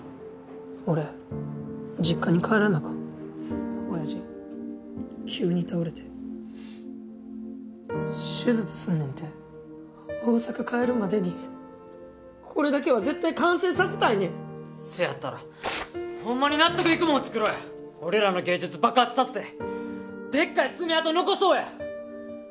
俺実家に帰らなあかんおやじ急に倒れて手術すんねんて大阪帰るまでにこれだけは絶対完成させたいねんせやったらほんまに納得いくもん作ろうや俺らの芸術爆発させてでっかい爪痕残そうや！